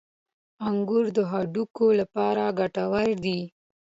• انګور د هډوکو لپاره ګټور دي.